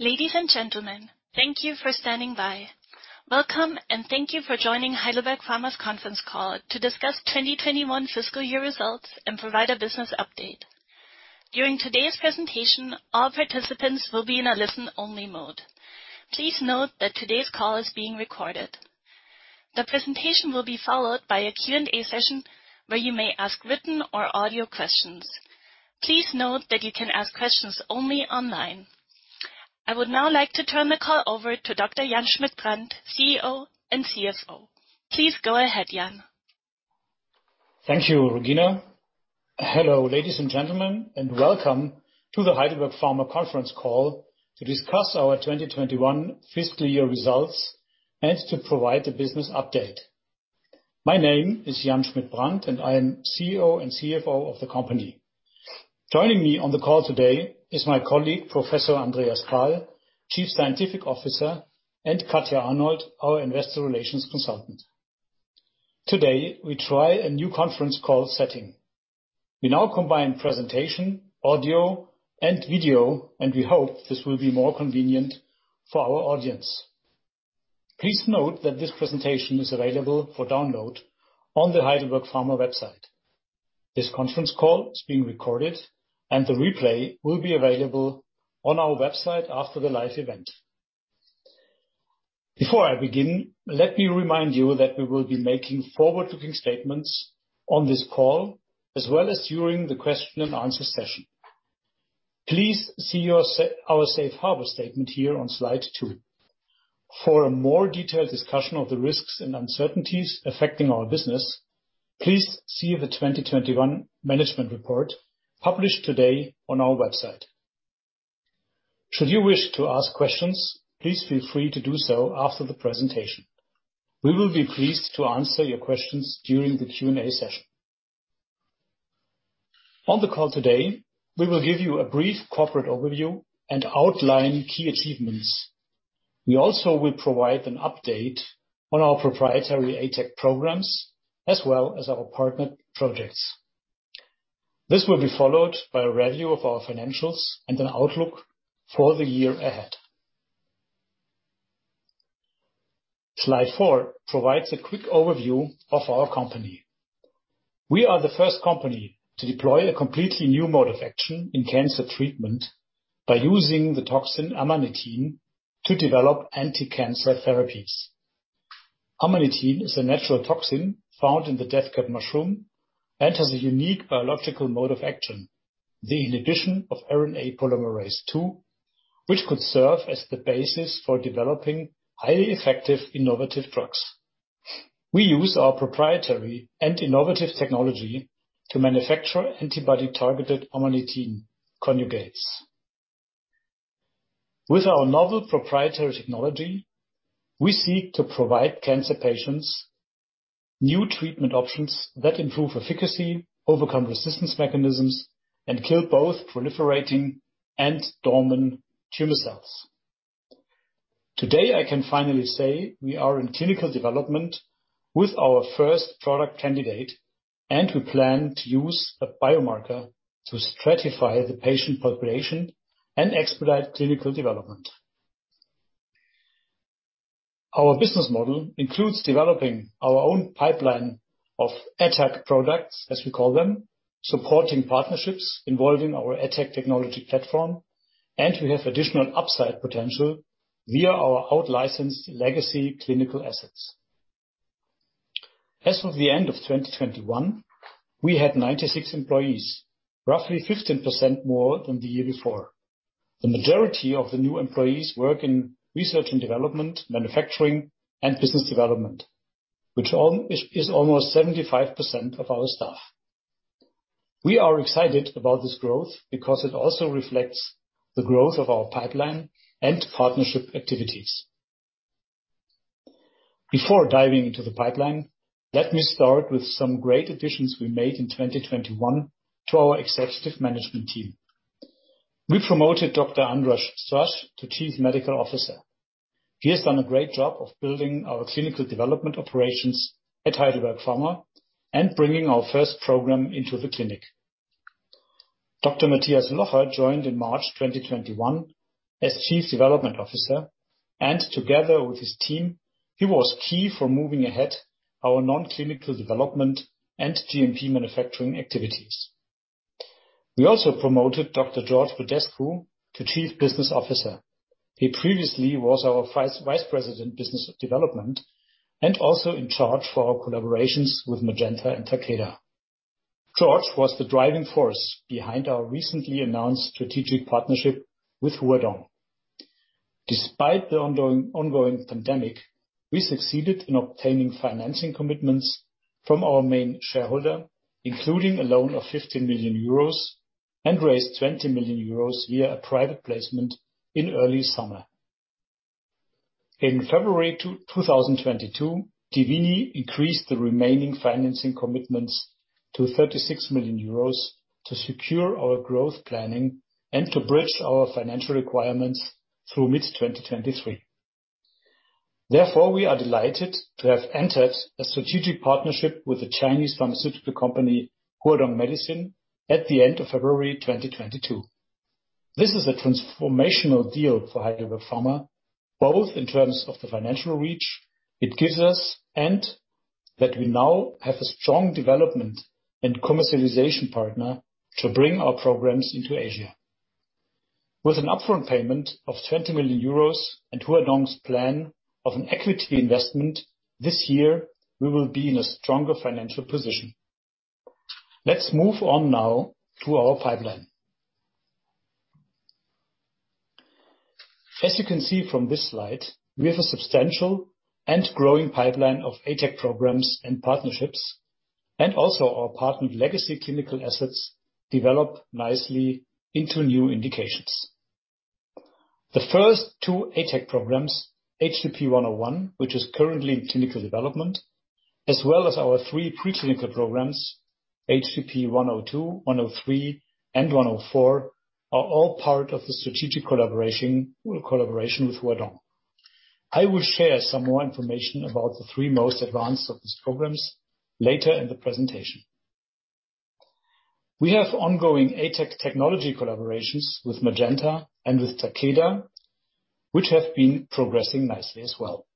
Ladies and gentlemen, thank you for standing by. Welcome and thank you for joining Heidelberg Pharma's conference call to discuss 2021 fiscal year results and provide a business update. During today's presentation, all participants will be in a listen-only mode. Please note that today's call is being recorded. The presentation will be followed by a Q&A session where you may ask written or audio questions. Please note that you can ask questions only online. I would now like to turn the call over to Dr. Jan Schmidt-Brand, CEO and CFO. Please go ahead, Jan. Thank you, Regina. Hello, ladies and gentlemen, and welcome to the Heidelberg Pharma conference call to discuss our 2021 fiscal year results and to provide a business update. My name is Jan Schmidt-Brand, and I am CEO and CFO of the company. Joining me on the call today is my colleague, Professor Andreas Pahl, Chief Scientific Officer, and Katja Arnold, our Investor Relations Consultant. Today, we try a new conference call setting. We now combine presentation, audio, and video, and we hope this will be more convenient for our audience. Please note that this presentation is available for download on the Heidelberg Pharma website. This conference call is being recorded, and the replay will be available on our website after the live event. Before I begin, let me remind you that we will be making forward-looking statements on this call, as well as during the question and answer session. Please see our safe harbor statement here on slide two. For a more detailed discussion of the risks and uncertainties affecting our business, please see the 2021 Management Report published today on our website. Should you wish to ask questions, please feel free to do so after the presentation. We will be pleased to answer your questions during the Q&A session. On the call today, we will give you a brief corporate overview and outline key achievements. We also will provide an update on our proprietary ATAC programs as well as our partner projects. This will be followed by a review of our financials and an outlook for the year ahead. Slide four provides a quick overview of our company. We are the first company to deploy a completely new mode of action in cancer treatment by using the toxin amanitin to develop anti-cancer therapies. Amanitin is a natural toxin found in the death cap mushroom and has a unique biological mode of action, the inhibition of RNA polymerase II, which could serve as the basis for developing highly effective innovative drugs. We use our proprietary and innovative technology to manufacture antibody-targeted amanitin conjugates. With our novel proprietary technology, we seek to provide cancer patients new treatment options that improve efficacy, overcome resistance mechanisms, and kill both proliferating and dormant tumor cells. Today, I can finally say we are in clinical development with our first product candidate, and we plan to use a biomarker to stratify the patient population and expedite clinical development. Our business model includes developing our own pipeline of ATAC products, as we call them, supporting partnerships involving our ATAC technology platform, and we have additional upside potential via our out-licensed legacy clinical assets. As of the end of 2021, we had 96 employees, roughly 15% more than the year before. The majority of the new employees work in research and development, manufacturing, and business development, which is almost 75% of our staff. We are excited about this growth because it also reflects the growth of our pipeline and partnership activities. Before diving into the pipeline, let me start with some great additions we made in 2021 to our executive management team. We promoted Dr. András Strassz to Chief Medical Officer. He has done a great job of building our clinical development operations at Heidelberg Pharma and bringing our first program into the clinic. Dr. Mathias Locher joined in March 2021 as Chief Development Officer, and together with his team, he was key for moving ahead our non-clinical development and GMP manufacturing activities. We also promoted Dr. George Octavian Badescu to Chief Business Officer. He previously was our vice president business development and also in charge of our collaborations with Magenta and Takeda. George was the driving force behind our recently announced strategic partnership with Huadong. Despite the ongoing pandemic, we succeeded in obtaining financing commitments from our main shareholder, including a loan of 50 million euros and raised 20 million euros via a private placement in early summer. In February 2022, dievini increased the remaining financing commitments to 36 million euros to secure our growth planning and to bridge our financial requirements through mid-2023. Therefore, we are delighted to have entered a strategic partnership with the Chinese pharmaceutical company, Huadong Medicine, at the end of February 2022. This is a transformational deal for Heidelberg Pharma, both in terms of the financial reach it gives us, and that we now have a strong development and commercialization partner to bring our programs into Asia. With an upfront payment of 20 million euros and Huadong's plan of an equity investment this year, we will be in a stronger financial position. Let's move on now to our pipeline. As you can see from this slide, we have a substantial and growing pipeline of ATAC programs and partnerships, and also our partnered legacy clinical assets develop nicely into new indications. The first two ATAC programs, HDP-101, which is currently in clinical development, as well as our three preclinical programs, HDP-102, HDP-103, and HDP-104, are all part of the strategic collaboration with Huadong. I will share some more information about the three most advanced of these programs later in the presentation. We have ongoing ATAC technology collaborations with Magenta and with Takeda, which have been progressing nicely as well.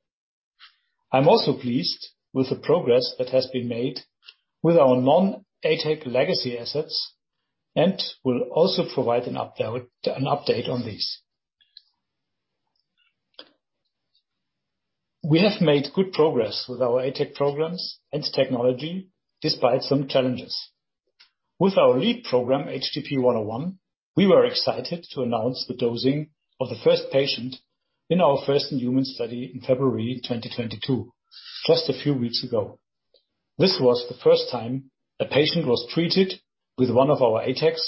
I'm also pleased with the progress that has been made with our non-ATAC legacy assets, and will also provide an update on these. We have made good progress with our ATAC programs and technology, despite some challenges. With our lead program, HDP-101, we were excited to announce the dosing of the first patient in our first human study in February 2022, just a few weeks ago. This was the first time a patient was treated with one of our ATACs,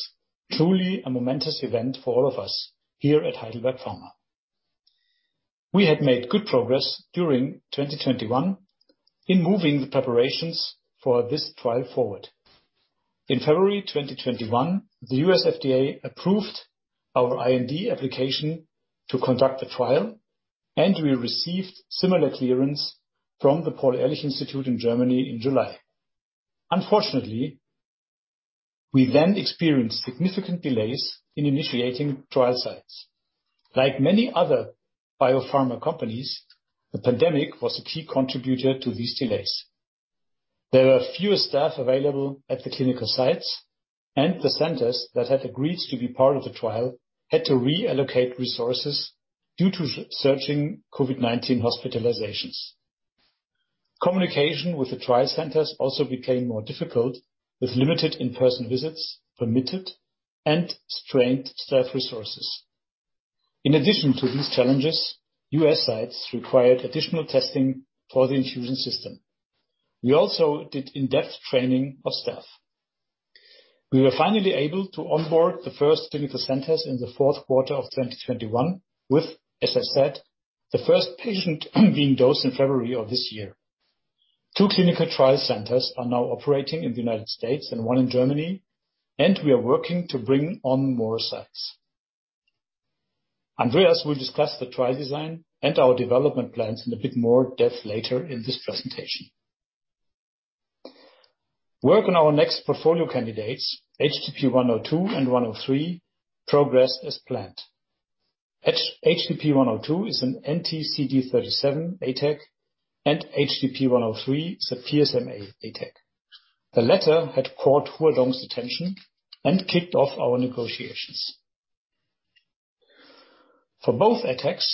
truly a momentous event for all of us here at Heidelberg Pharma. We had made good progress during 2021 in moving the preparations for this trial forward. In February 2021, the U.S. FDA approved our IND application to conduct the trial, and we received similar clearance from the Paul-Ehrlich-Institut in Germany in July. Unfortunately, we then experienced significant delays in initiating trial sites. Like many other biopharma companies, the pandemic was a key contributor to these delays. There were fewer staff available at the clinical sites, and the centers that had agreed to be part of the trial had to reallocate resources due to surging COVID-19 hospitalizations. Communication with the trial centers also became more difficult, with limited in-person visits permitted and strained staff resources. In addition to these challenges, U.S. sites required additional testing for the infusion system. We also did in-depth training of staff. We were finally able to onboard the first clinical centers in the fourth quarter of 2021 with, as I said, the first patient being dosed in February of this year. Two clinical trial centers are now operating in the United States and one in Germany, and we are working to bring on more sites. Andreas will discuss the trial design and our development plans in a bit more depth later in this presentation. Work on our next portfolio candidates, HDP-102 and 103, progress as planned. HDP-102 is an anti-CD37 ATAC, and HDP-103 is a PSMA ATAC. The latter had caught Huadong's attention and kicked off our negotiations. For both ATACs,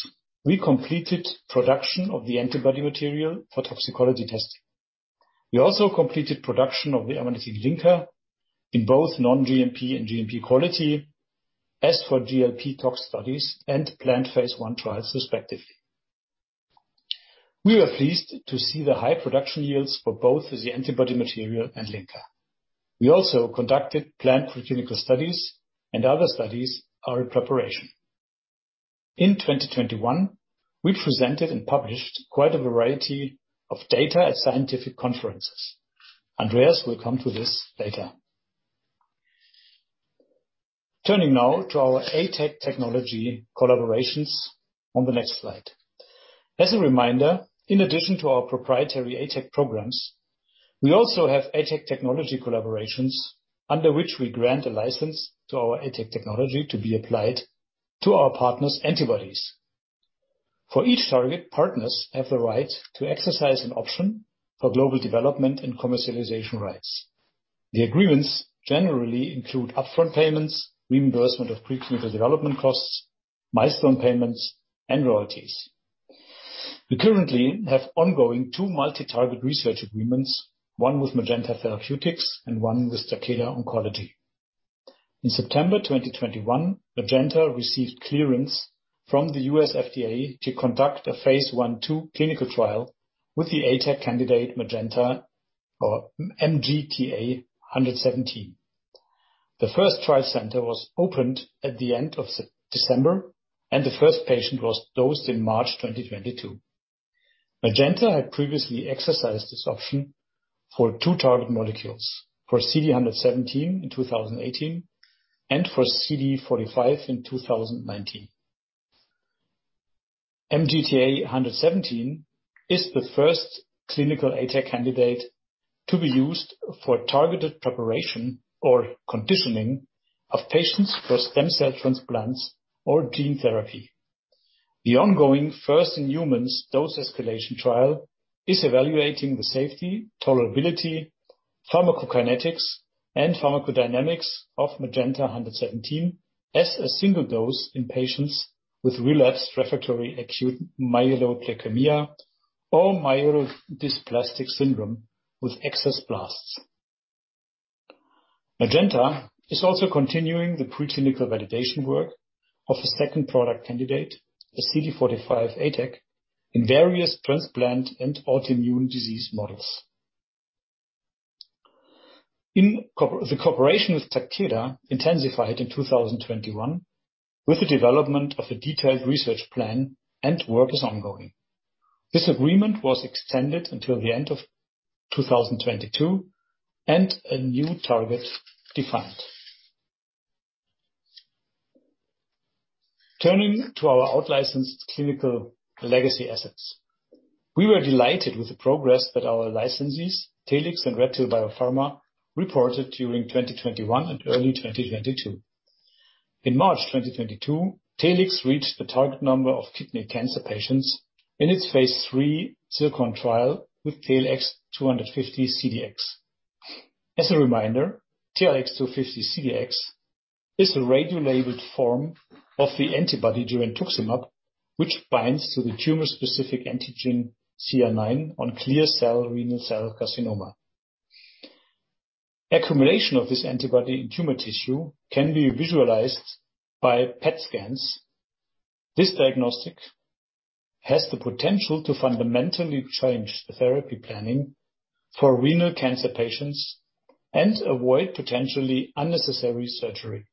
we completed production of the antibody material for toxicology testing. We also completed production of the amanitin linker in both non-GMP and GMP quality as for GLP tox studies and planned phase I trials respectively. We were pleased to see the high production yields for both the antibody material and linker. We also conducted planned preclinical studies, and other studies are in preparation. In 2021, we presented and published quite a variety of data at scientific conferences. Andreas will come to this later. Turning now to our ATAC technology collaborations on the next slide. As a reminder, in addition to our proprietary ATAC programs, we also have ATAC technology collaborations under which we grant a license to our ATAC technology to be applied to our partner's antibodies. For each target, partners have the right to exercise an option for global development and commercialization rights. The agreements generally include upfront payments, reimbursement of preclinical development costs, milestone payments, and royalties. We currently have two ongoing multi-target research agreements, one with Magenta Therapeutics and one with Takeda Oncology. In September 2021, Magenta received clearance from the U.S. FDA to conduct a phase I/II clinical trial with the ATAC candidate MGTA-117. The first trial center was opened at the end of December, and the first patient was dosed in March 2022. Magenta had previously exercised this option for two target molecules, for CD117 in 2018 and for CD45 in 2019. MGTA-117 is the first clinical ATAC candidate to be used for targeted preparation or conditioning of patients for stem cell transplants or gene therapy. The ongoing first-in-human dose escalation trial is evaluating the safety, tolerability, pharmacokinetics, and pharmacodynamics of Magenta 117 as a single dose in patients with relapsed refractory acute myeloid leukemia or myelodysplastic syndrome with excess blasts. Magenta is also continuing the preclinical validation work of a second product candidate, the CD45 ATAC, in various transplant and autoimmune disease models. The cooperation with Takeda intensified in 2021 with the development of a detailed research plan, and work is ongoing. This agreement was extended until the end of 2022, and a new target defined. Turning to our out-licensed clinical legacy assets. We were delighted with the progress that our licensees, Telix and RedHill Biopharma, reported during 2021 and early 2022. In March 2022, Telix reached the target number of kidney cancer patients in its phase III ZIRCON trial with TLX250-CDx. As a reminder, TLX250-CDx is a radiolabeled form of the antibody girentuximab, which binds to the tumor-specific antigen CA9 on clear cell renal cell carcinoma. Accumulation of this antibody in tumor tissue can be visualized by PET scans. This diagnostic has the potential to fundamentally change the therapy planning for renal cancer patients and avoid potentially unnecessary surgery.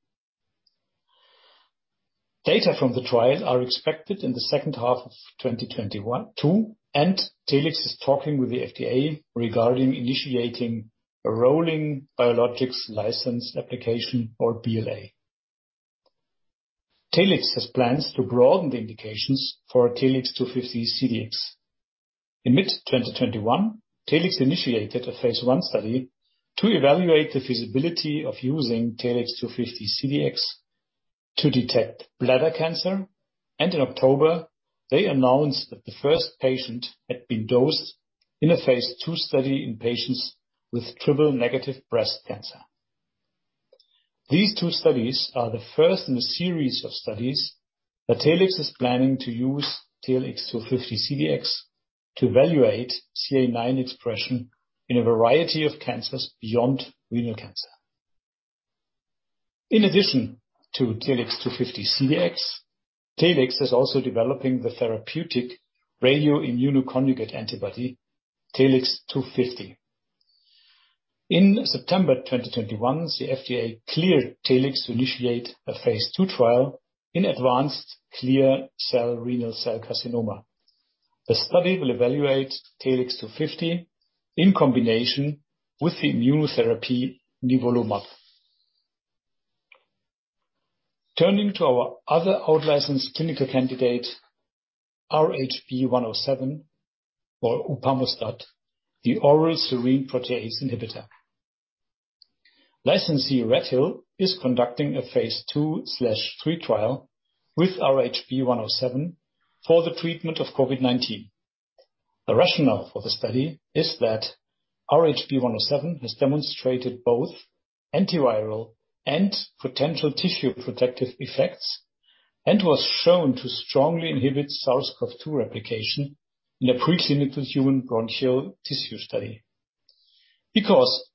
Data from the trial are expected in the second half of 2022, and Telix is talking with the FDA regarding initiating a rolling biologics license application, or BLA. Telix has plans to broaden the indications for TLX250-CDx. In mid-2021, Telix initiated a phase I study to evaluate the feasibility of using TLX250-CDx to detect bladder cancer. In October, they announced that the first patient had been dosed in a phase II study in patients with triple-negative breast cancer. These two studies are the first in a series of studies that Telix is planning to use TLX250-CDx to evaluate CA9 expression in a variety of cancers beyond renal cancer. In addition to TLX250-CDx, Telix is also developing the therapeutic radioimmunoconjugate antibody, TLX250. In September 2021, the FDA cleared Telix to initiate a phase II trial in advanced clear cell renal cell carcinoma. The study will evaluate TLX250 in combination with the immunotherapy nivolumab. Turning to our other out-licensed clinical candidate, RHB-107 or upamostat, the oral serine protease inhibitor. Licensee RedHill is conducting a phase II/III trial with RHB-107 for the treatment of COVID-19. The rationale for the study is that RHB-107 has demonstrated both antiviral and potential tissue protective effects and was shown to strongly inhibit SARS-CoV-2 replication in a preclinical human bronchial tissue study. Because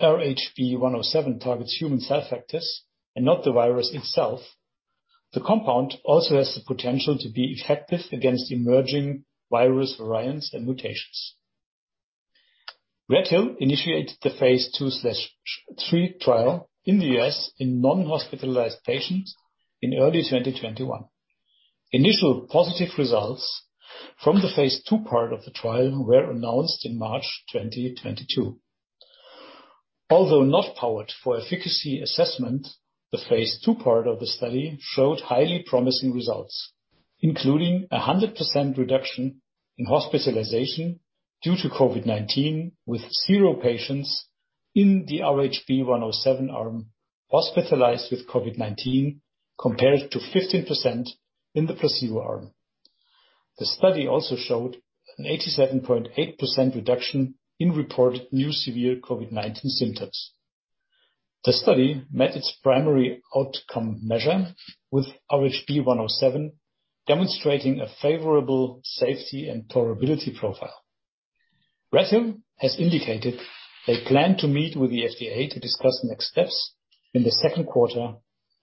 RHB-107 targets human cell factors and not the virus itself, the compound also has the potential to be effective against emerging virus variants and mutations. RedHill initiated the phase II/III trial in the U.S. in non-hospitalized patients in early 2021. Initial positive results from the phase II part of the trial were announced in March 2022. Although not powered for efficacy assessment, the phase II part of the study showed highly promising results, including a 100% reduction in hospitalization due to COVID-19, with zero patients in the RHB-107 arm hospitalized with COVID-19, compared to 15% in the placebo arm. The study also showed an 87.8% reduction in reported new severe COVID-19 symptoms. The study met its primary outcome measure, with RHB-107 demonstrating a favorable safety and tolerability profile. RedHill has indicated they plan to meet with the FDA to discuss next steps in the second quarter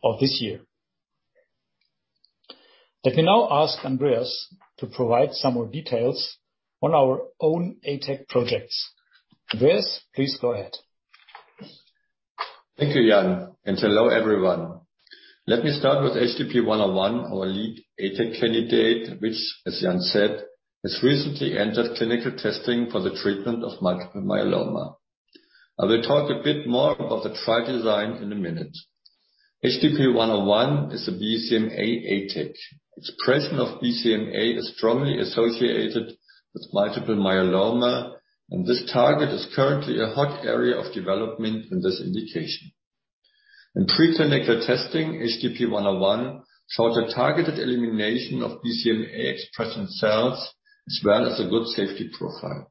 of this year. Let me now ask Andreas to provide some more details on our own ATAC projects. Andreas, please go ahead. Thank you, Jan, and hello, everyone. Let me start with HDP-101, our lead ATAC candidate, which, as Jan said, has recently entered clinical testing for the treatment of multiple myeloma. I will talk a bit more about the trial design in a minute. HDP-101 is a BCMA ATAC. The presence of BCMA is strongly associated with multiple myeloma, and this target is currently a hot area of development in this indication. In preclinical testing, HDP-101 showed a targeted elimination of BCMA-expressing cells as well as a good safety profile.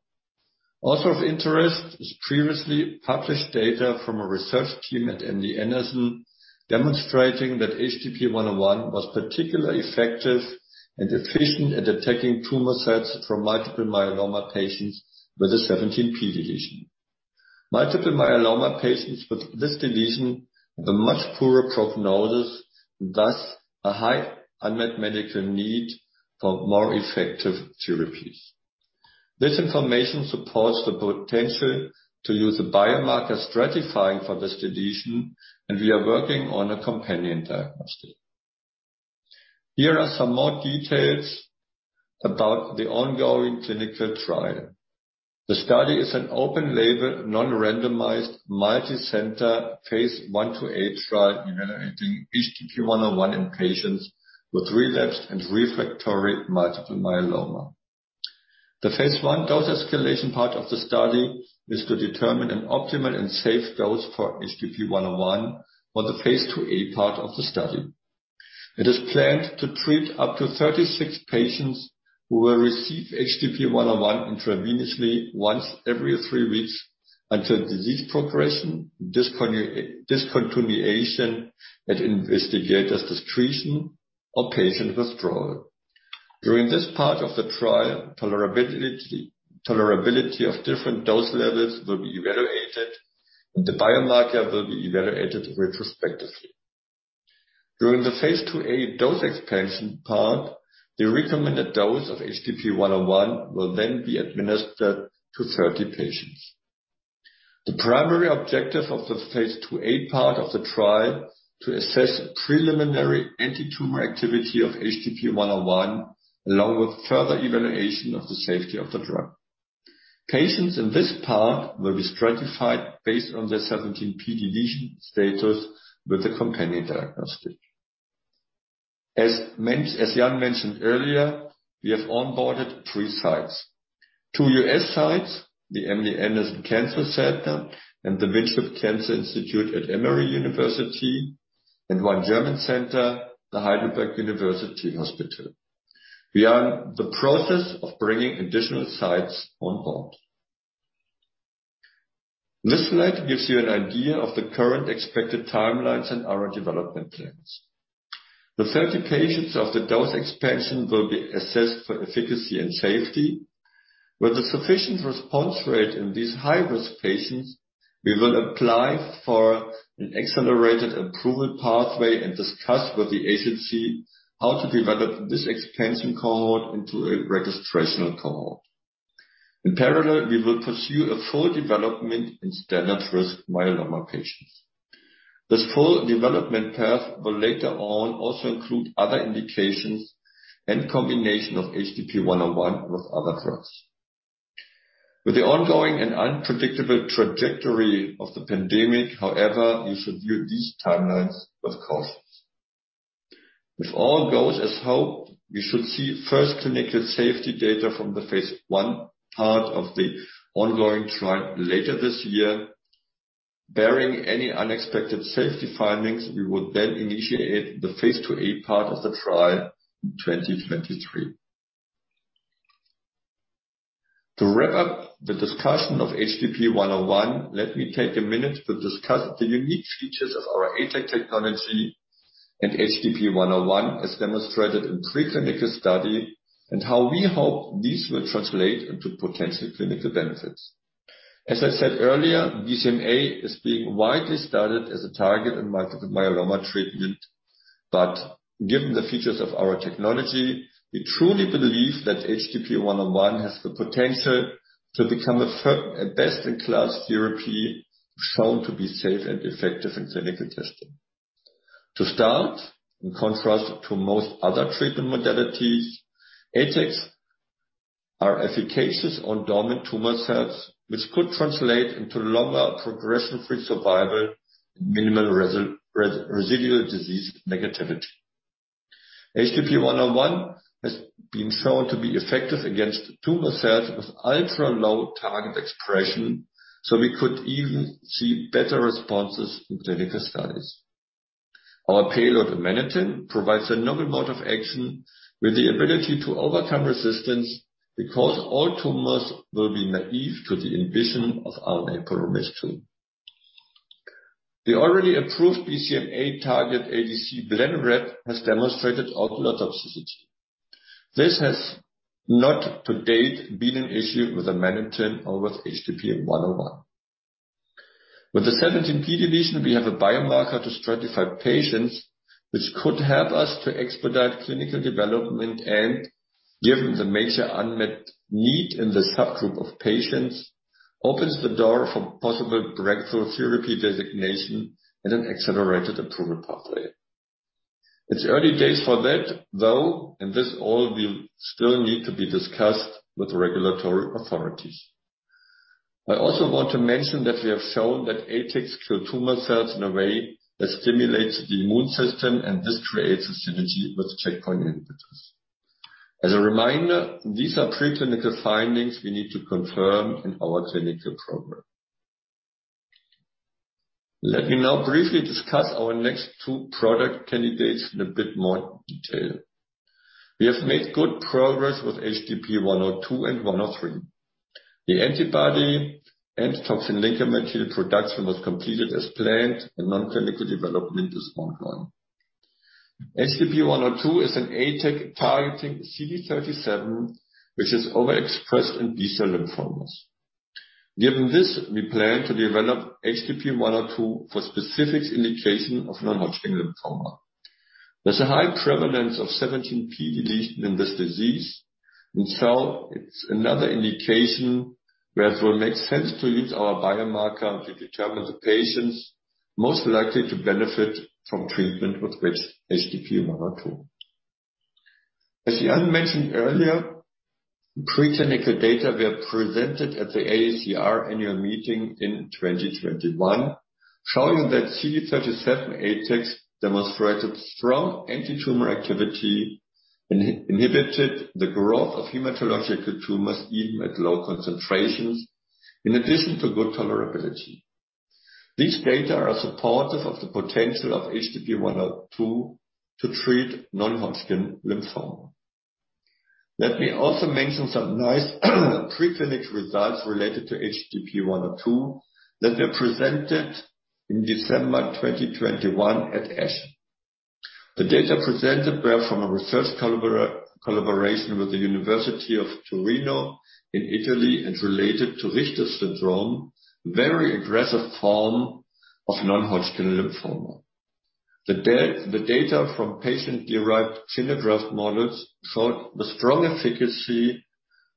Also of interest is previously published data from a research team at MD Anderson demonstrating that HDP-101 was particularly effective and efficient at attacking tumor cells from multiple myeloma patients with a 17p deletion. Multiple myeloma patients with this deletion have a much poorer prognosis, thus a high unmet medical need for more effective therapies. This information supports the potential to use a biomarker stratifying for this deletion, and we are working on a companion diagnostic. Here are some more details about the ongoing clinical trial. The study is an open-label, non-randomized, multicenter phase I/II trial evaluating HDP-101 in patients with relapsed and refractory multiple myeloma. The phase I dose escalation part of the study is to determine an optimal and safe dose for HDP-101 for the phase II-A part of the study. It is planned to treat up to 36 patients who will receive HDP-101 intravenously once every three weeks until disease progression, discontinuation at investigator's discretion or patient withdrawal. During this part of the trial, tolerability of different dose levels will be evaluated, and the biomarker will be evaluated retrospectively. During the phase II-A dose expansion part, the recommended dose of HDP-101 will then be administered to 30 patients. The primary objective of the phase II-A part of the trial is to assess preliminary antitumor activity of HDP-101 along with further evaluation of the safety of the drug. Patients in this part will be stratified based on their 17p deletion status with a companion diagnostic. As Jan mentioned earlier, we have onboarded three sites. Two U.S. sites, the MD Anderson Cancer Center and the Winship Cancer Institute of Emory University, and one German center, the Heidelberg University Hospital. We are in the process of bringing additional sites on board. This slide gives you an idea of the current expected timelines and our development plans. The 30 patients of the dose expansion will be assessed for efficacy and safety. With a sufficient response rate in these high-risk patients, we will apply for an accelerated approval pathway and discuss with the agency how to develop this expansion cohort into a registrational cohort. In parallel, we will pursue a full development in standard-risk myeloma patients. This full development path will later on also include other indications and combination of HDP-101 with other drugs. With the ongoing and unpredictable trajectory of the pandemic, however, you should view these timelines with caution. If all goes as hoped, we should see first clinical safety data from the phase I part of the ongoing trial later this year. Barring any unexpected safety findings, we would then initiate the phase II-A part of the trial in 2023. To wrap up the discussion of HDP-101, let me take a minute to discuss the unique features of our ATAC technology and HDP-101 as demonstrated in preclinical study and how we hope these will translate into potential clinical benefits. As I said earlier, BCMA is being widely studied as a target in multiple myeloma treatment. Given the features of our technology, we truly believe that HDP-101 has the potential to become a best-in-class therapy shown to be safe and effective in clinical testing. To start, in contrast to most other treatment modalities, ATACs are efficacious on dormant tumor cells, which could translate into longer progression-free survival and minimal residual disease negativity. HDP-101 has been shown to be effective against tumor cells with ultra-low target expression, so we could even see better responses in clinical studies. Our payload, amanitin, provides a novel mode of action with the ability to overcome resistance because all tumors will be naive to the inhibition of RNA polymerase II. The already approved BCMA-target ADC Blenrep has demonstrated ocular toxicity. This has not to date been an issue with amanitin or with HDP-101. With the 17p deletion, we have a biomarker to stratify patients, which could help us to expedite clinical development and, given the major unmet need in the subgroup of patients, opens the door for possible breakthrough therapy designation and an accelerated approval pathway. It's early days for that, though, and this all will still need to be discussed with regulatory authorities. I also want to mention that we have shown that ADCs kill tumor cells in a way that stimulates the immune system, and this creates a synergy with checkpoint inhibitors. As a reminder, these are preclinical findings we need to confirm in our clinical program. Let me now briefly discuss our next two product candidates in a bit more detail. We have made good progress with HDP-102 and HDP-103. The antibody and toxin linker material production was completed as planned, and non-clinical development is ongoing. HDP-102 is an ADC targeting CD37, which is overexpressed in B-cell lymphomas. Given this, we plan to develop HDP-102 for specific indication of non-Hodgkin lymphoma. There's a high prevalence of 17p deletion in this disease, and so it's another indication where it will make sense to use our biomarker to determine the patients most likely to benefit from treatment with HDP-102. As Jan mentioned earlier, preclinical data were presented at the AACR annual meeting in 2021, showing that CD37 ADCs demonstrated strong antitumor activity and inhibited the growth of hematological tumors even at low concentrations in addition to good tolerability. These data are supportive of the potential of HDP-102 to treat non-Hodgkin lymphoma. Let me also mention some nice preclinical results related to HDP-102 that were presented in December 2021 at ASH. The data presented were from a research collaboration with the University of Turin in Italy and related to Richter's syndrome, very aggressive form of non-Hodgkin lymphoma. The data from patient-derived xenograft models showed the strong efficacy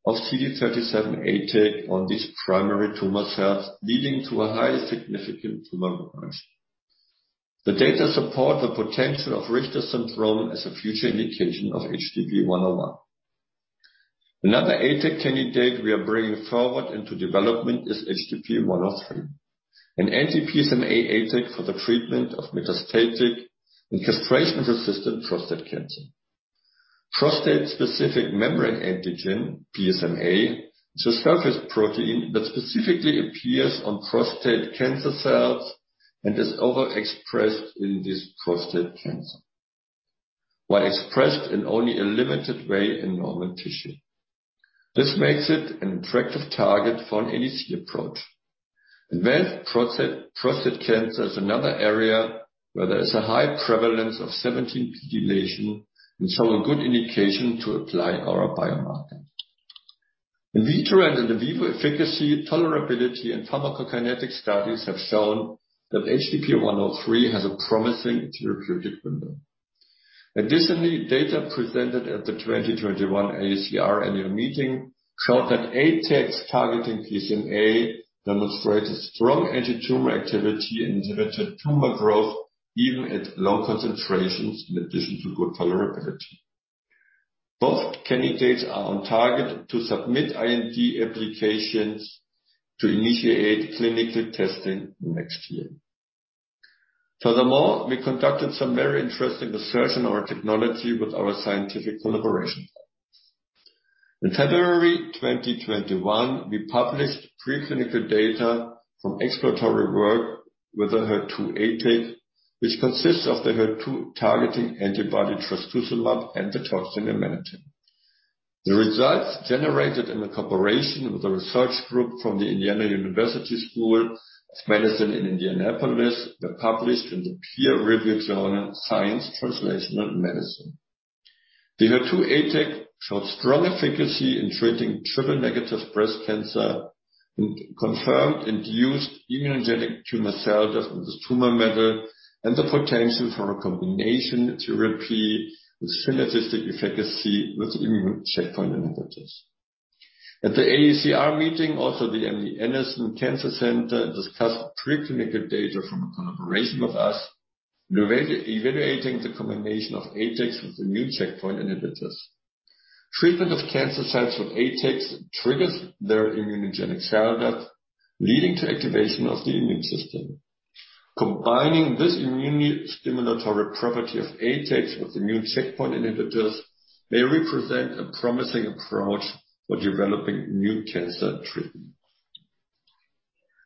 of CD37 ADC on these primary tumor cells, leading to a highly significant tumor regression. The data support the potential of Richter's syndrome as a future indication of HDP-101. Another ADC candidate we are bringing forward into development is HDP-103, an anti-PSMA ADC for the treatment of metastatic and castration-resistant prostate cancer. Prostate-specific membrane antigen, PSMA, is a surface protein that specifically appears on prostate cancer cells and is overexpressed in this prostate cancer, while expressed in only a limited way in normal tissue. This makes it an attractive target for an ADC approach. Advanced prostate cancer is another area where there is a high prevalence of 17p deletion and so a good indication to apply our biomarker. In vitro and in vivo efficacy, tolerability, and pharmacokinetic studies have shown that HDP-103 has a promising therapeutic window. Additionally, data presented at the 2021 AACR annual meeting showed that ADCs targeting PSMA demonstrated strong antitumor activity, inhibited tumor growth even at low concentrations in addition to good tolerability. Both candidates are on target to submit IND applications to initiate clinical testing next year. Furthermore, we conducted some very interesting research on our technology with our scientific collaboration partners. In February 2021, we published preclinical data from exploratory work with a HER2 ADC, which consists of the HER2 targeting antibody trastuzumab and the toxin amanitin. The results generated in the cooperation with a research group from the Indiana University School of Medicine in Indianapolis were published in the peer-reviewed journal Science Translational Medicine. The HER2 ADC showed strong efficacy in treating triple-negative breast cancer and confirmed induced immunogenic tumor cell death in this tumor model and the potential for a combination therapy with synergistic efficacy with immune checkpoint inhibitors. At the AACR meeting, also, the MD Anderson Cancer Center discussed preclinical data from a collaboration with us, evaluating the combination of ADCs with immune checkpoint inhibitors. Treatment of cancer cells with ADCs triggers their immunogenic cell death, leading to activation of the immune system. Combining this immune stimulatory property of ADCs with immune checkpoint inhibitors may represent a promising approach for developing new cancer treatment.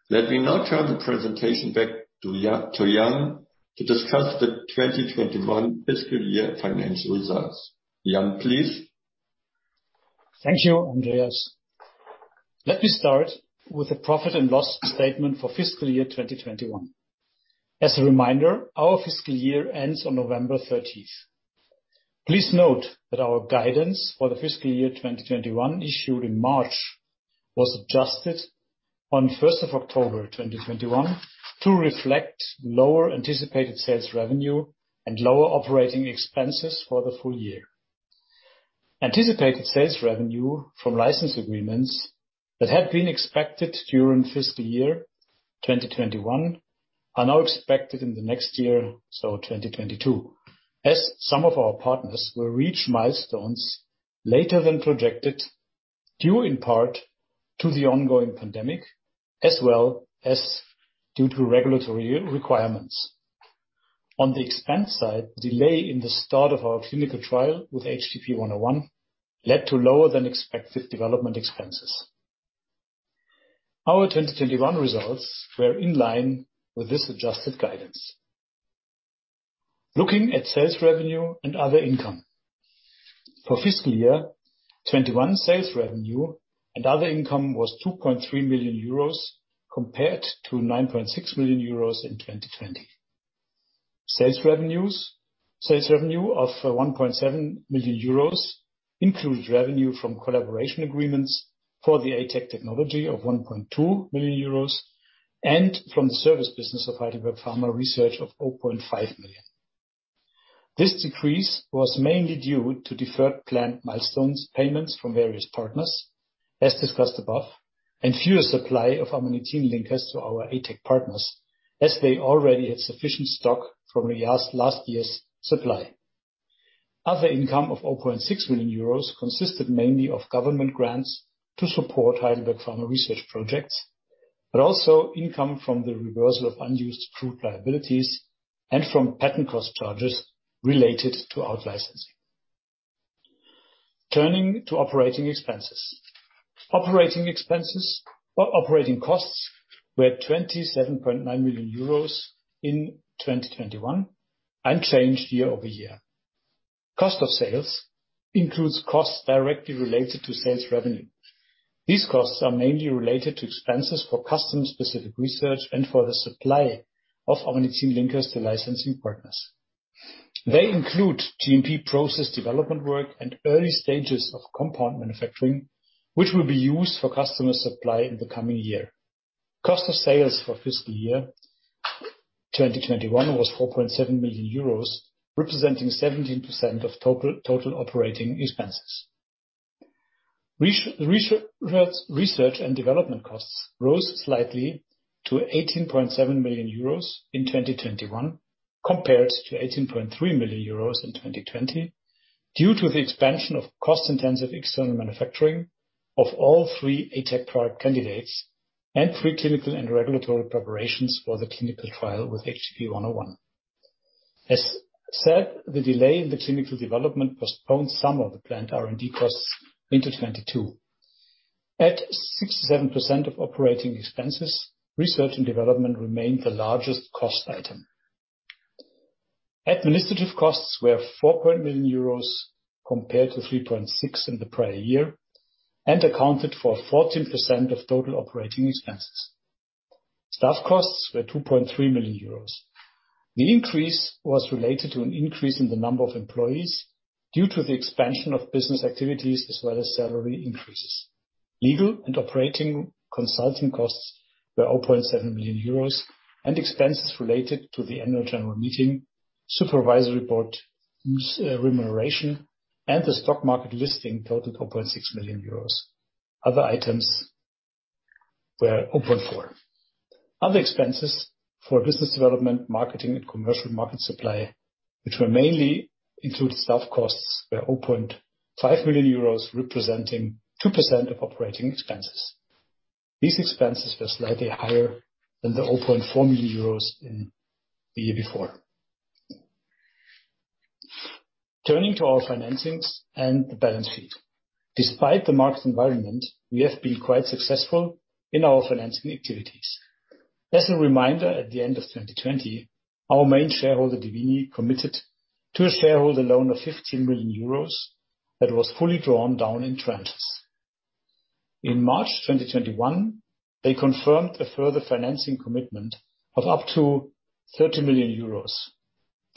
Let me now turn the presentation back to Jan to discuss the 2021 fiscal year financial results. Jan, please. Thank you, Andreas. Let me start with the profit and loss statement for fiscal year 2021. As a reminder, our fiscal year ends on November 13. Please note that our guidance for the fiscal year 2021 issued in March was adjusted on October 1, 2021, to reflect lower anticipated sales revenue and lower operating expenses for the full year. Anticipated sales revenue from license agreements that had been expected during fiscal year 2021 are now expected in the next year, so 2022, as some of our partners will reach milestones later than projected, due in part to the ongoing pandemic, as well as due to regulatory requirements. On the expense side, delay in the start of our clinical trial with HDP-101 led to lower than expected development expenses. Our 2021 results were in line with this adjusted guidance. Looking at sales revenue and other income. For fiscal year 2021 sales revenue and other income was 2.3 million euros compared to 9.6 million euros in 2020. Sales revenue of 1.7 million euros includes revenue from collaboration agreements for the ATAC technology of 1.2 million euros, and from the service business of Heidelberg Pharma Research of 4.5 million. This decrease was mainly due to deferred planned milestones, payments from various partners as discussed above, and fewer supply of amanitin linkers to our ATAC partners, as they already had sufficient stock from last year's supply. Other income of 4.6 million euros consisted mainly of government grants to support Heidelberg Pharma Research projects, but also income from the reversal of unused accrued liabilities and from patent cost charges related to out-licensing. Turning to operating expenses. Operating expenses or operating costs were 27.9 million euros in 2021, unchanged year-over-year. Cost of sales includes costs directly related to sales revenue. These costs are mainly related to expenses for customer-specific research and for the supply of amanitin linkers to licensing partners. They include GMP process development work and early stages of compound manufacturing, which will be used for customer supply in the coming year. Cost of sales for fiscal year 2021 was 4.7 million euros, representing 17% of total operating expenses. Research and development costs rose slightly to 18.7 million euros in 2021 compared to 18.3 million euros in 2020 due to the expansion of cost-intensive external manufacturing of all three ATAC product candidates and preclinical and regulatory preparations for the clinical trial with HDP-101. As said, the delay in the clinical development postponed some of the planned R&D costs into 2022. At 67% of operating expenses, research and development remained the largest cost item. Administrative costs were 4 million euros compared to 3.6 million in the prior year, and accounted for 14% of total operating expenses. Staff costs were 2.3 million euros. The increase was related to an increase in the number of employees due to the expansion of business activities as well as salary increases. Legal and operating consulting costs were 4.7 million euros, and expenses related to the annual general meeting, Supervisory Board remuneration, and the stock market listing totaled 4.6 million euros. Other items were open for. Other expenses for business development, marketing, and commercial market supply, which were mainly include staff costs were 4.5 million euros, representing 2% of operating expenses. These expenses were slightly higher than the 4.4 million euros in the year before. Turning to our financings and the balance sheet. Despite the market environment, we have been quite successful in our financing activities. As a reminder, at the end of 2020, our main shareholder, dievini, committed to a shareholder loan of 15 million euros that was fully drawn down in tranches. In March 2021, they confirmed a further financing commitment of up to 30 million euros.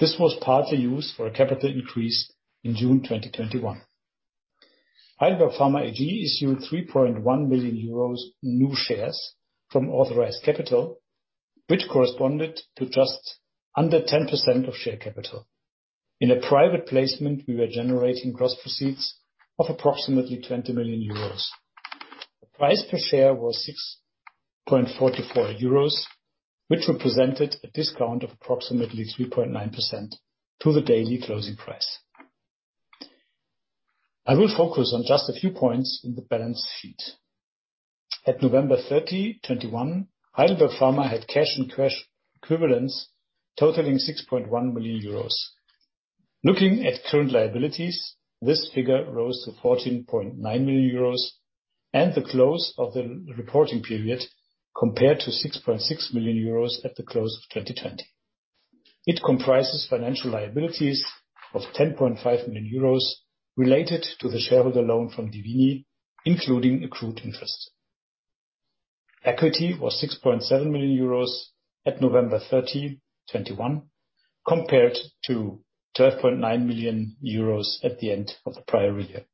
This was partly used for a capital increase in June 2021. Heidelberg Pharma AG issued 3.1 million euros new shares from authorized capital, which corresponded to just under 10% of share capital. In a private placement, we were generating gross proceeds of approximately 20 million euros. The price per share was 6.44 euros, which represented a discount of approximately 3.9% to the daily closing price. I will focus on just a few points in the balance sheet. At November 30, 2021, Heidelberg Pharma had cash and cash equivalents totaling 6.1 million euros. Looking at current liabilities, this figure rose to 14.9 million euros at the close of the reporting period compared to 6.6 million euros at the close of 2020. It comprises financial liabilities of 10.5 million euros related to the shareholder loan from dievini, including accrued interest. Equity was 6.7 million euros at November 30, 2021, compared to 12.9 million euros at the end of the prior year.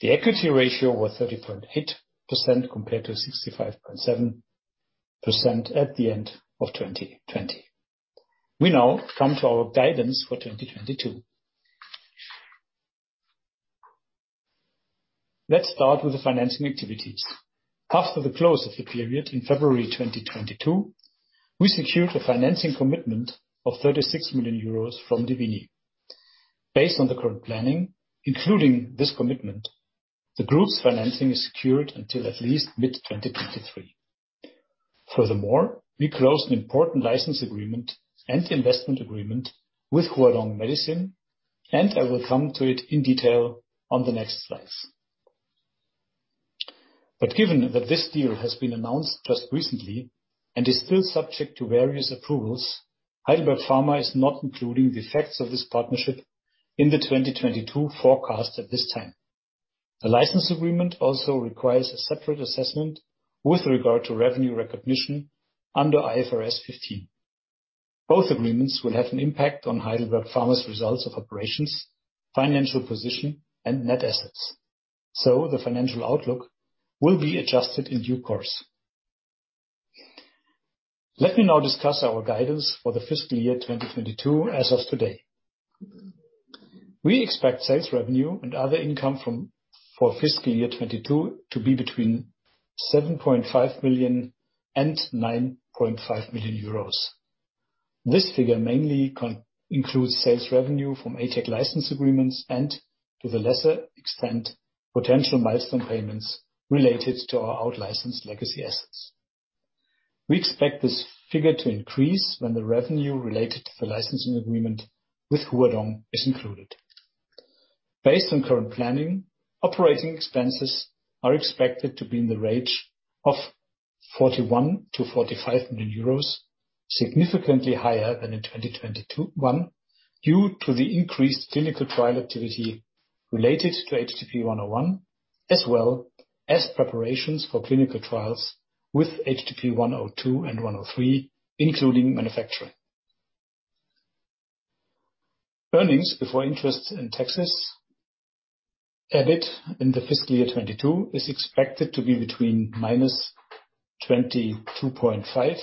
The equity ratio was 30.8%, compared to 65.7% at the end of 2020. We now come to our guidance for 2022. Let's start with the financing activities. After the close of the period in February 2022, we secured a financing commitment of 36 million euros from dievini. Based on the current planning, including this commitment, the group's financing is secured until at least mid-2023. Furthermore, we closed an important license agreement and investment agreement with Huadong Medicine, and I will come to it in detail on the next slide. Given that this deal has been announced just recently and is still subject to various approvals, Heidelberg Pharma is not including the effects of this partnership in the 2022 forecast at this time. The license agreement also requires a separate assessment with regard to revenue recognition under IFRS 15. Both agreements will have an impact on Heidelberg Pharma's results of operations, financial position and net assets. The financial outlook will be adjusted in due course. Let me now discuss our guidance for the fiscal year 2022 as of today. We expect sales revenue and other income from for fiscal year 2022 to be between 7.5 million and 9.5 million euros. This figure mainly includes sales revenue from ATAC license agreements and, to a lesser extent, potential milestone payments related to our out licensed legacy assets. We expect this figure to increase when the revenue related to the licensing agreement with Huadong is included. Based on current planning, operating expenses are expected to be in the range of 41 million-45 million euros, significantly higher than in 2021, due to the increased clinical trial activity related to HDP-101, as well as preparations for clinical trials with HDP-102 and HDP-103, including manufacturing. Earnings before interest and taxes, EBIT, in the fiscal year 2022 is expected to be between -22.5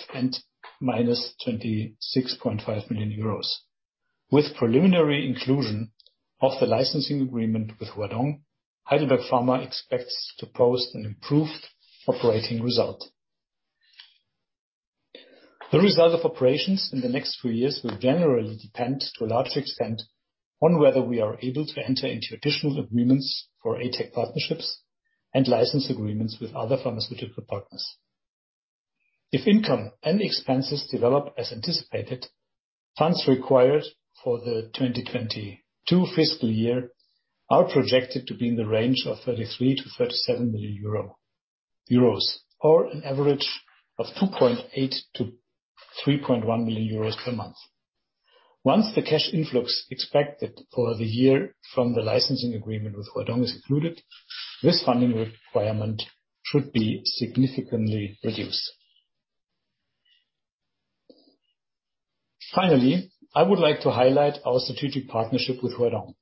million and -26.5 million euros. With preliminary inclusion of the licensing agreement with Huadong, Heidelberg Pharma expects to post an improved operating result. The result of operations in the next few years will generally depend, to a large extent, on whether we are able to enter into additional agreements for ATAC partnerships and license agreements with other pharmaceutical partners. If income and expenses develop as anticipated, funds required for the 2022 fiscal year are projected to be in the range of 33 million-37 million euro or an average of 2.8 million-3.1 million euros per month. Once the cash influx expected for the year from the licensing agreement with Huadong is included, this funding requirement should be significantly reduced. I would like to highlight our strategic partnership with Huadong.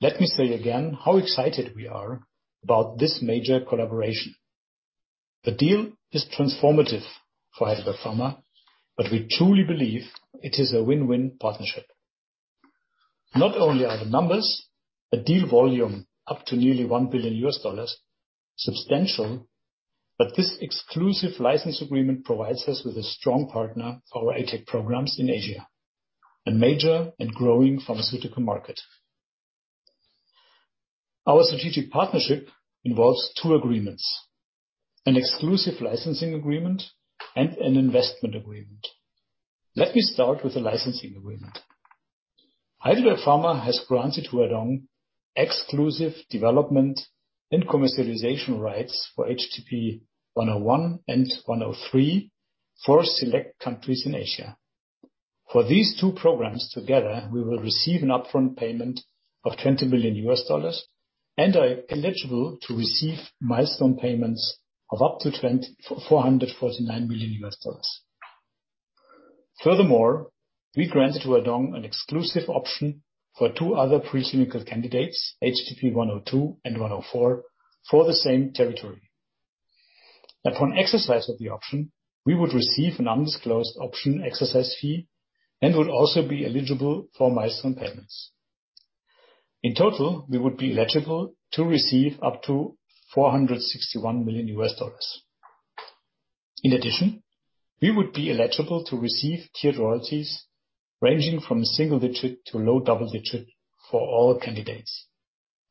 Let me say again how excited we are about this major collaboration. The deal is transformative for Heidelberg Pharma, but we truly believe it is a win-win partnership. Not only are the numbers, the deal volume up to nearly $1 billion substantial, but this exclusive license agreement provides us with a strong partner for our ATAC programs in Asia, a major and growing pharmaceutical market. Our strategic partnership involves two agreements, an exclusive licensing agreement and an investment agreement. Let me start with the licensing agreement. Heidelberg Pharma has granted Huadong exclusive development and commercialization rights for HDP-101 and HDP-103 for select countries in Asia. For these two programs together, we will receive an upfront payment of $20 million and are eligible to receive milestone payments of up to $249 million. Furthermore, we granted Huadong an exclusive option for two other preclinical candidates, HDP-102 and HDP-104, for the same territory. Upon exercise of the option, we would receive an undisclosed option exercise fee and would also be eligible for milestone payments. In total, we would be eligible to receive up to $461 million. In addition, we would be eligible to receive tiered royalties ranging from single digit to low double digit for all candidates.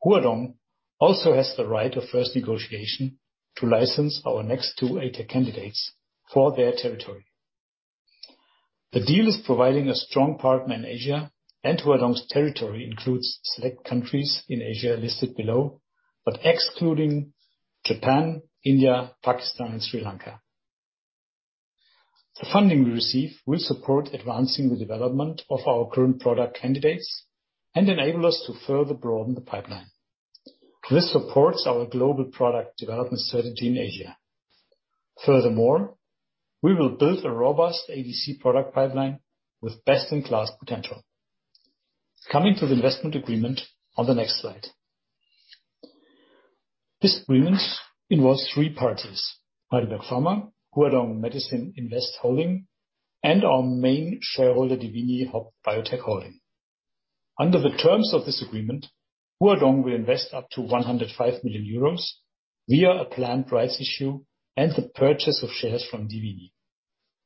Huadong also has the right of first negotiation to license our next two ATAC candidates for their territory. The deal is providing a strong partner in Asia, and Huadong's territory includes select countries in Asia listed below, but excluding Japan, India, Pakistan and Sri Lanka. The funding we receive will support advancing the development of our current product candidates and enable us to further broaden the pipeline. This supports our global product development strategy in Asia. Furthermore, we will build a robust ADC product pipeline with best-in-class potential. Coming to the investment agreement on the next slide. This agreement involves three parties, Heidelberg Pharma, Huadong Medicine Investment Holding, and our main shareholder, dievini Hopp BioTech Holding. Under the terms of this agreement, Huadong will invest up to 105 million euros via a planned rights issue and the purchase of shares from dievini.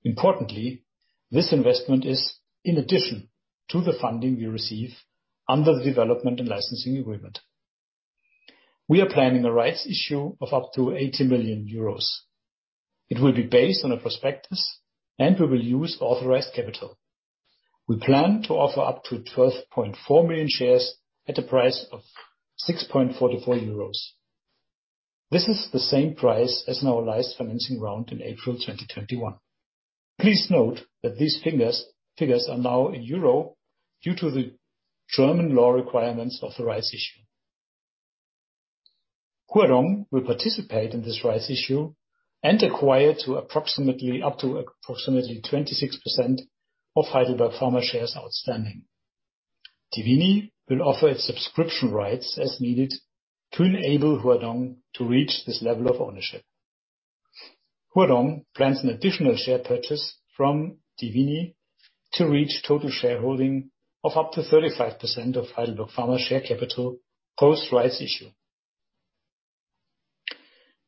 Importantly, this investment is in addition to the funding we receive under the development and licensing agreement. We are planning a rights issue of up to 80 million euros. It will be based on a prospectus, and we will use authorized capital. We plan to offer up to 12.4 million shares at a price of 6.44 euros. This is the same price as in our last financing round in April 2021. Please note that these figures are now in euros, due to the German law requirements of the rights issue. Huadong will participate in this rights issue and acquire up to approximately 26% of Heidelberg Pharma shares outstanding. dievini will offer its subscription rights as needed to enable Huadong to reach this level of ownership. Huadong plans an additional share purchase from dievini to reach total shareholding of up to 35% of Heidelberg Pharma share capital post-rights issue.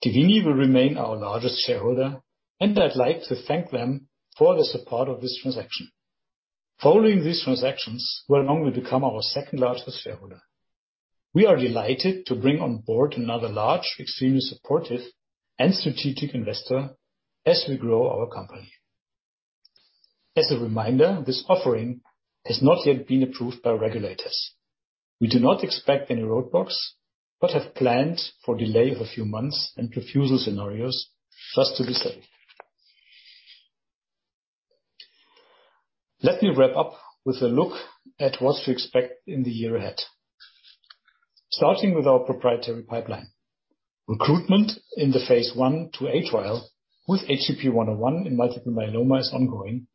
dievini will remain our largest shareholder, and I'd like to thank them for the support of this transaction. Following these transactions, Huadong will become our second-largest shareholder. We are delighted to bring on board another large, extremely supportive, and strategic investor as we grow our company. As a reminder, this offering has not yet been approved by regulators. We do not expect any roadblocks, but have planned for delay of a few months and refusal scenarios just to be safe. Let me wrap up with a look at what we expect in the year ahead. Starting with our proprietary pipeline. Recruitment in the phase I/II-A trial with HDP-101 in multiple myeloma is ongoing,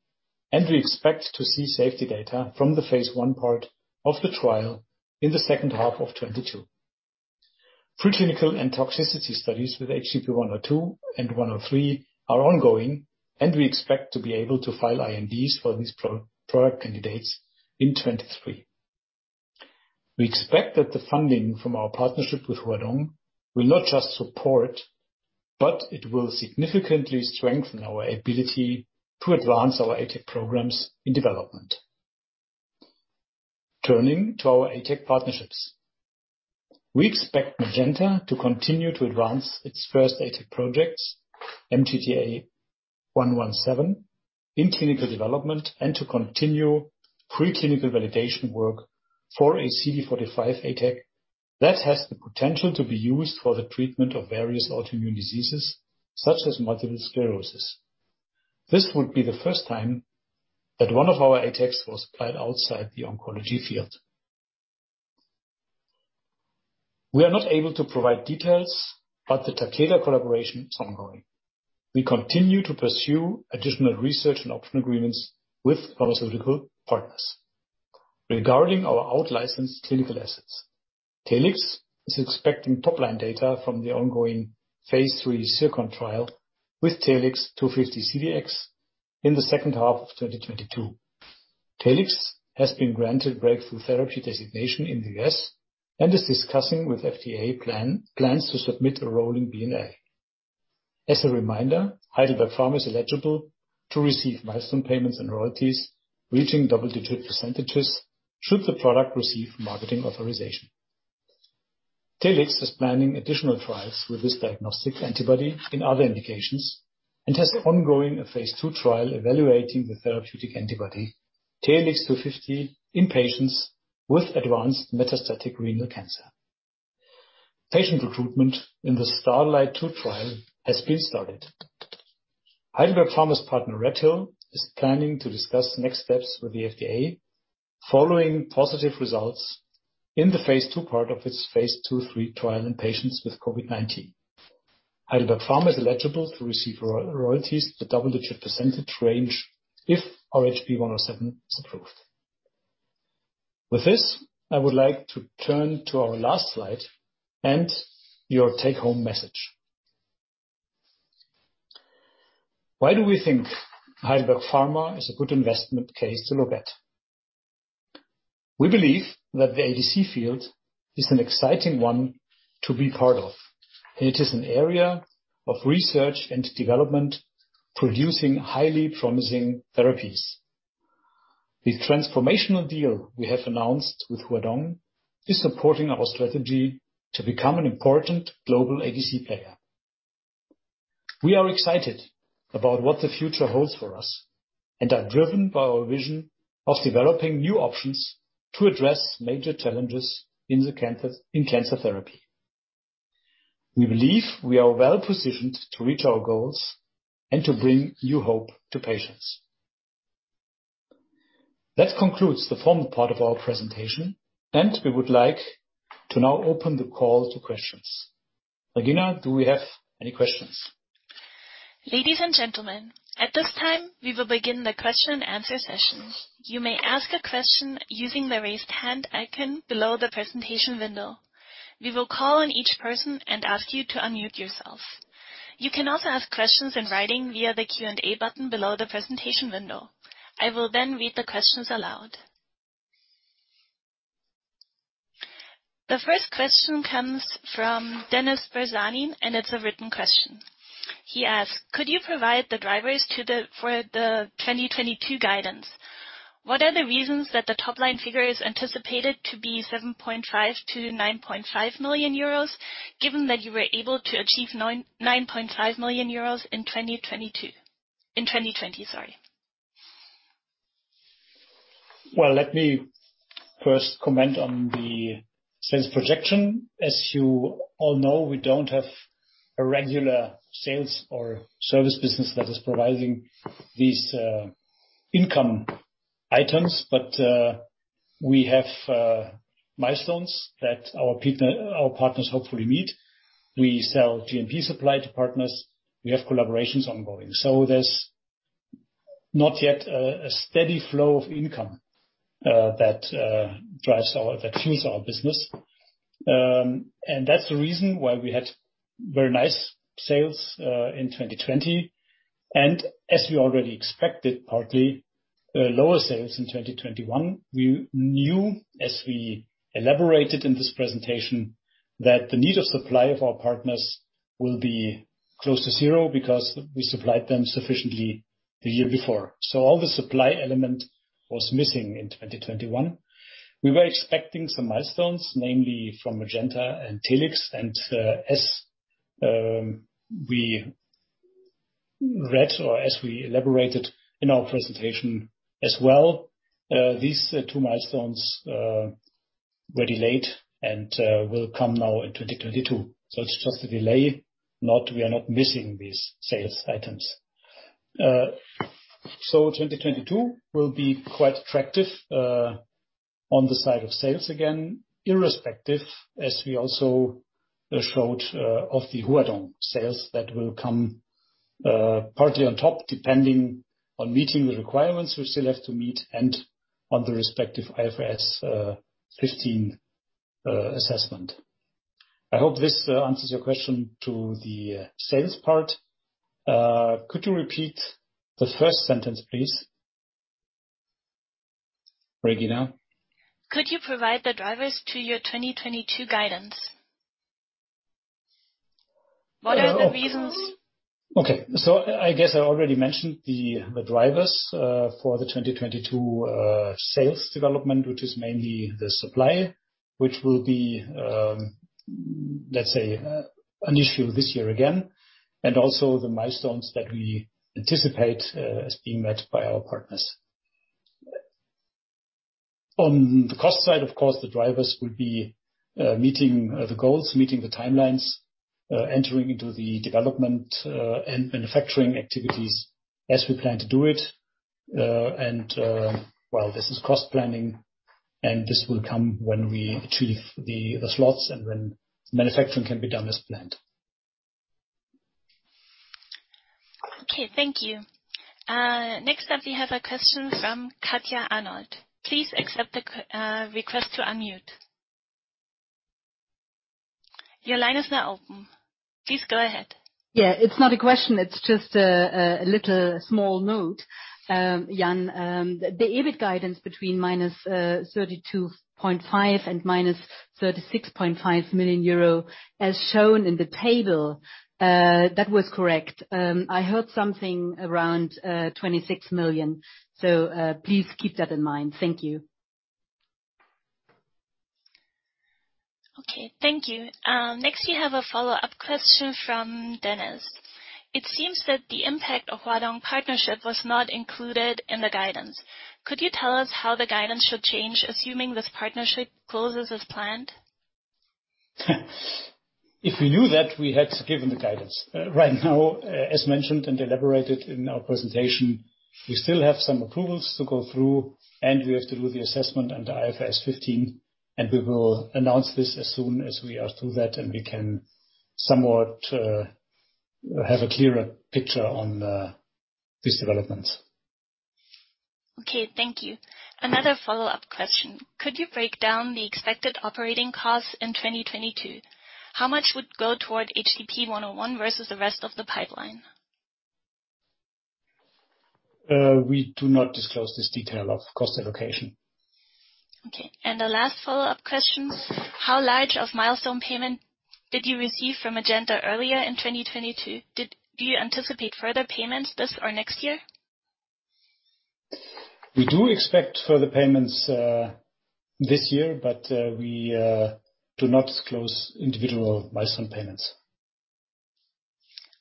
and we expect to see safety data from the phase I part of the trial in the second half of 2022. Preclinical and toxicity studies with HDP-102 and HDP-103 are ongoing, and we expect to be able to file INDs for these proprietary product candidates in 2023. We expect that the funding from our partnership with Huadong will not just support, but it will significantly strengthen our ability to advance our ATAC programs in development. Turning to our ATAC partnerships. We expect Magenta to continue to advance its first ATAC projects, MGTA-117, in clinical development and to continue preclinical validation work for a CD45 ATAC that has the potential to be used for the treatment of various autoimmune diseases, such as multiple sclerosis. This would be the first time that one of our ATACs was applied outside the oncology field. We are not able to provide details, but the Takeda collaboration is ongoing. We continue to pursue additional research and option agreements with pharmaceutical partners. Regarding our out-licensed clinical assets, Telix is expecting top-line data from the ongoing phase III ZIRCON trial with TLX250-CDx in the second half of 2022. Telix has been granted breakthrough therapy designation in the U.S. and is discussing with FDA plans to submit a rolling BLA. As a reminder, Heidelberg Pharma is eligible to receive milestone payments and royalties reaching double-digit percentages should the product receive marketing authorization. Telix is planning additional trials with this diagnostic antibody in other indications and has an ongoing phase II trial evaluating the therapeutic antibody, TLX250, in patients with advanced metastatic renal cancer. Patient recruitment in the STARLITE 2 trial has been started. Heidelberg Pharma's partner, RedHill, is planning to discuss next steps with the FDA following positive results in the phase II part of its phase II/III trial in patients with COVID-19. Heidelberg Pharma is eligible to receive royalties at double-digit % range if RHB-107 is approved. With this, I would like to turn to our last slide and your take-home message. Why do we think Heidelberg Pharma is a good investment case to look at? We believe that the ADC field is an exciting one to be part of. It is an area of research and development producing highly promising therapies. The transformational deal we have announced with Huadong is supporting our strategy to become an important global ADC player. We are excited about what the future holds for us and are driven by our vision of developing new options to address major challenges in cancer therapy. We believe we are well-positioned to reach our goals and to bring new hope to patients. That concludes the formal part of our presentation, and we would like to now open the call to questions. Regina, do we have any questions? Ladies and gentlemen, at this time, we will begin the question and answer session. You may ask a question using the Raise Hand icon below the presentation window. We will call on each person and ask you to unmute yourself. You can also ask questions in writing via the Q&A button below the presentation window. I will then read the questions aloud. The first question comes from Dennis Berzhanin, and it's a written question. He asks: Could you provide the drivers for the 2022 guidance? What are the reasons that the top line figure is anticipated to be 7.5 million- 9.5 million, given that you were able to achieve 9.5 million euros in 2020, sorry. Well, let me first comment on the sales projection. As you all know, we don't have a regular sales or service business that is providing these income items. We have milestones that our partners hopefully meet. We sell GMP supply to partners. We have collaborations ongoing. There's not yet a steady flow of income that fuels our business. That's the reason why we had very nice sales in 2020. As we already expected, partly lower sales in 2021. We knew, as we elaborated in this presentation, that the need of supply of our partners will be close to zero because we supplied them sufficiently the year before. All the supply element was missing in 2021. We were expecting some milestones, namely from Magenta and Telix. As we elaborated in our presentation as well, these two milestones were delayed and will come now in 2022. It's just a delay, not we are missing these sales items. 2022 will be quite attractive on the side of sales again, irrespective, as we also showed, of the Huadong sales that will come partly on top, depending on meeting the requirements we still have to meet and on the respective IFRS 15 assessment. I hope this answers your question to the sales part. Could you repeat the first sentence, please, Regina? Could you provide the drivers to your 2022 guidance? What are the reasons? Okay. I guess I already mentioned the drivers for the 2022 sales development, which is mainly the supply, which will be, let's say, an issue this year again, and also the milestones that we anticipate as being met by our partners. On the cost side, of course, the drivers will be meeting the goals, meeting the timelines, entering into the development and manufacturing activities as we plan to do it. Well, this is cost planning, and this will come when we achieve the slots and when manufacturing can be done as planned. Okay, thank you. Next up, we have a question from Katja Arnold. Please accept the request to unmute. Your line is now open. Please go ahead. Yeah. It's not a question. It's just a little small note. Jan, the EBIT guidance between -32.5 million and -36.5 million euro as shown in the table, that was correct. I heard something around 26 million, so please keep that in mind. Thank you. Okay, thank you. Next we have a follow-up question from Dennis. It seems that the impact of Huadong partnership was not included in the guidance. Could you tell us how the guidance should change, assuming this partnership closes as planned? If we knew that, we had given the guidance. Right now, as mentioned and elaborated in our presentation, we still have some approvals to go through, and we have to do the assessment under IFRS 15, and we will announce this as soon as we are through that and we can somewhat have a clearer picture on these developments. Okay, thank you. Another follow-up question. Could you break down the expected operating costs in 2022? How much would go toward HDP-101 versus the rest of the pipeline? We do not disclose this detail of cost allocation. Okay. The last follow-up question. How large of milestone payment did you receive from Magenta earlier in 2022? Do you anticipate further payments this or next year? We do expect further payments, this year, but we do not disclose individual milestone payments.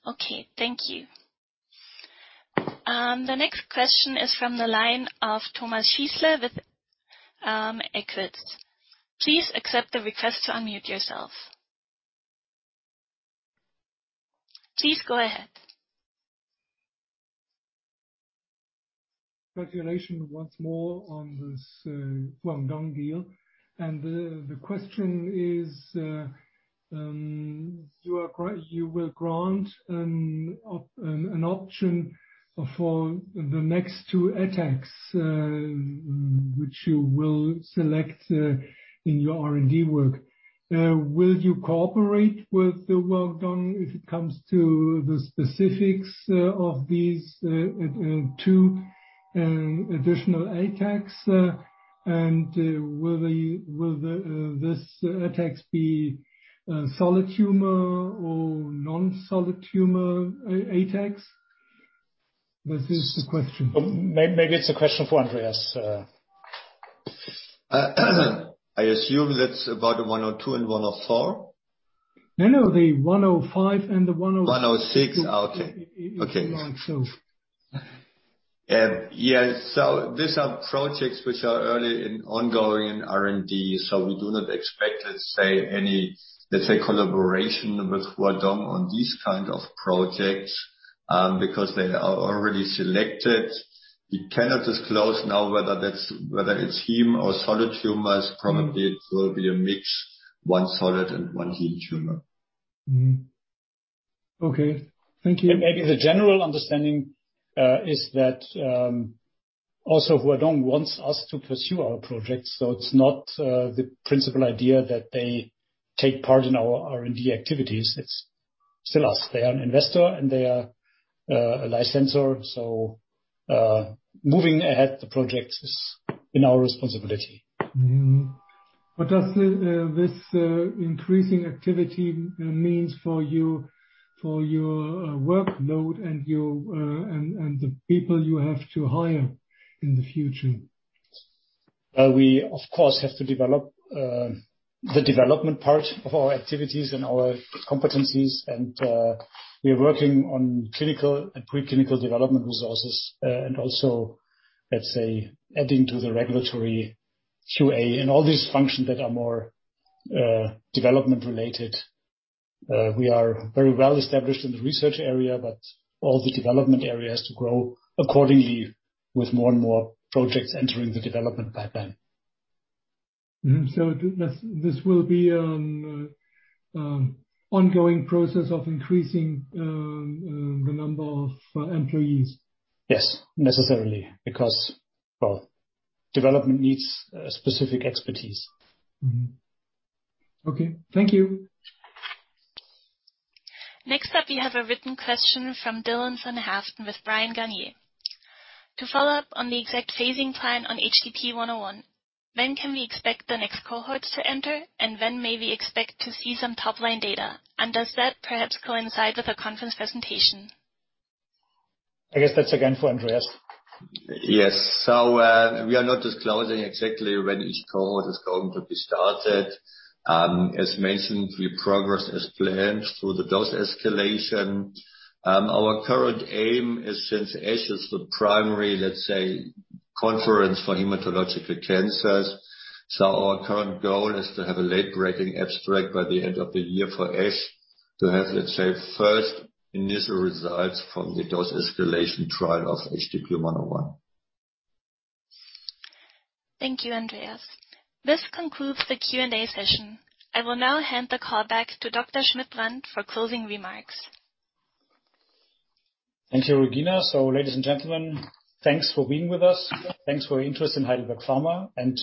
Okay, thank you. The next question is from the line of Thomas Schießle with EQUI.TS. Please accept the request to unmute yourself. Please go ahead. Congratulations once more on this Huadong deal. The question is, you will grant an option for the next two ATACs, which you will select in your R&D work. Will you cooperate with the Huadong if it comes to the specifics of these two additional ATACs? Will the ATACs be solid tumor or non-solid tumor ATACs? This is the question. Maybe it's a question for Andreas. I assume that's about 102 and 104. No, no. The 105 and the 106. 106. Okay. Okay. If you like so. Yes. These are projects which are early in ongoing in R&D, we do not expect, let's say, any, let's say, collaboration with Huadong on these kind of projects, because they are already selected. We cannot disclose now whether it's heme or solid tumors. Probably it will be a mix, one solid and one heme tumor. Okay. Thank you. Maybe the general understanding is that also Huadong wants us to pursue our projects, so it's not the principal idea that they take part in our R&D activities. It's still us. They are an investor, and they are a licensor. Moving ahead, the project is in our responsibility. What does this increasing activity means for your workload and your--and the people you have to hire in the future? We of course have to develop the development part of our activities and our competencies and we are working on clinical and preclinical development resources. And also, let's say, adding to the regulatory QA and all these functions that are more development related. We are very well established in the research area, but all the development areas to grow accordingly with more and more projects entering the development pipeline. This will be ongoing process of increasing the number of employees? Yes, necessarily. Because, well, development needs specific expertise. Okay. Thank you. Next up, we have a written question from Dylan van Haaften with Bryan Garnier. To follow up on the exact dosing plan on HDP-101, when can we expect the next cohorts to enter, and when may we expect to see some top line data? And does that perhaps coincide with a conference presentation? I guess that's again for Andreas. Yes. We are not disclosing exactly when each cohort is going to be started. As mentioned, we progress as planned through the dose escalation. Our current aim is since ASH is the primary, let's say, conference for hematological cancers, so our current goal is to have a late-breaking abstract by the end of the year for ASH to have, let's say, first initial results from the dose escalation trial of HDP-101. Thank you, Andreas. This concludes the Q&A session. I will now hand the call back to Dr. Schmidt-Brand for closing remarks. Thank you, Regina. Ladies and gentlemen, thanks for being with us. Thanks for your interest in Heidelberg Pharma and,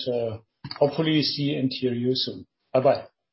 hopefully see and hear you soon. Bye-bye.